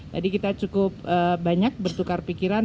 tadi kita cukup banyak bertukar pikiran